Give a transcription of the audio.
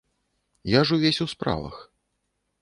Я ж увесь у справах.